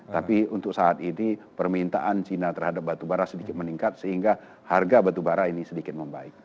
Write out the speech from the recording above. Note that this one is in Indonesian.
tapi untuk saat ini permintaan china terhadap batubara sedikit meningkat sehingga harga batubara ini sedikit membaik